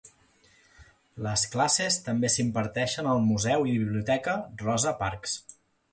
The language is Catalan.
Les classes també s'imparteixen al Museu i Biblioteca Rosa Parks.